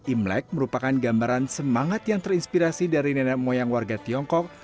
imlek merupakan gambaran semangat yang terinspirasi dari nenek moyang warga tiongkok